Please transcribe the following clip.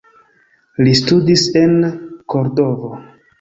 Li studis en Kordovo.